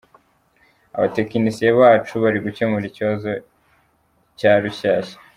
Abatekinisiye bacu bari gukemura ikibazo cya Rushyashya.